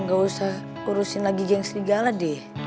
gak usah urusin lagi geng serigala deh